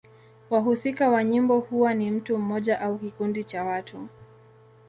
Wahusika wa nyimbo huwa ni mtu mmoja au kikundi cha watu.